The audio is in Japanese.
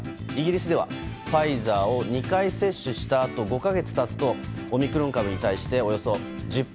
イギリスではファイザーを２回接種したあと５か月経つとオミクロン株に対しておよそ１０％。